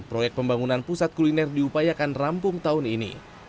proyek pembangunan pusat kuliner diupayakan rampung tahun ini